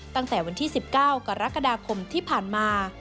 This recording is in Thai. ตั้งแต่วันที่๑๙กรกฎาคมที่ผ่านมา